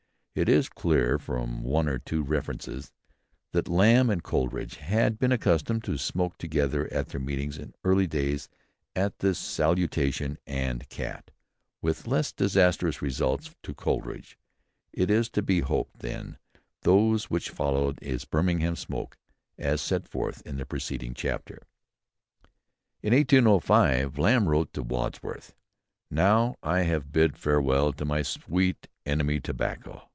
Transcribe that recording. It is clear from one or two references, that Lamb and Coleridge had been accustomed to smoke together at their meetings in early days at the "Salutation and Cat" with less disastrous results to Coleridge, it is to be hoped, than those which followed his Birmingham smoke, as set forth in the preceding chapter. In 1805 Lamb wrote to Wordsworth "now I have bid farewell to my 'sweet enemy' tobacco